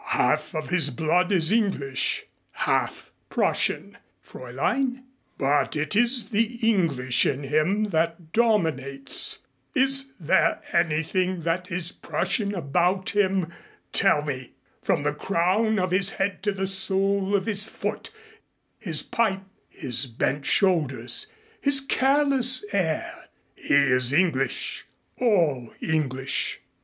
"Half of his blood is English, half Prussian, Fräulein, but it is the English in him that dominates. Is there anything that is Prussian about him? Tell me. From the crown of his head to the sole of his foot his pipe, his bent shoulders, his careless air he is English, all English.